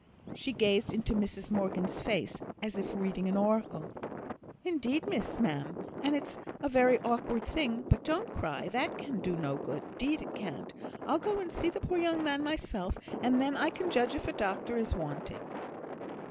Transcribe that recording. She gazed up into Mrs Morgan's face, as if reading an oracle. "Indeed, miss, ma'am, and it's a very awkward thing. But don't cry, that can do no good, 'deed it can't. I'll go and see the poor young man myself, and then I can judge if a doctor is wanting."